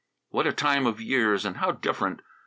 "What a time of years, and how different!